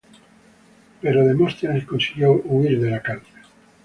Pero Demóstenes consiguió huir de la cárcel.